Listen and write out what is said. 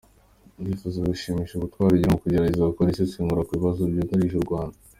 Ndifuza gushimira ubutwari ugira mu kugerageza gukora isesengura ku bibazo by’ugarije uRwanda.